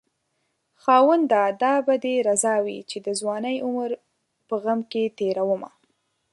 خاونده دا به دې رضا وي چې د ځوانۍ عمر په غم کې تېرومه